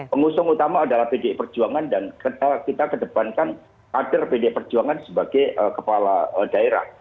pengusung utama adalah pdi perjuangan dan kita kedepankan kader pdi perjuangan sebagai kepala daerah